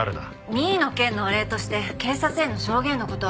美依の件のお礼として警察への証言の事は話したわ。